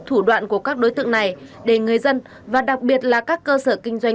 thủ đoạn của các đối tượng này để người dân và đặc biệt là các cơ sở kinh doanh